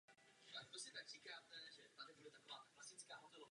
V těchto letech byl aktivní i v publicistice.